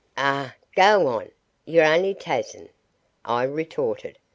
"Arrah, go on, ye're only tazin'!" I retorted.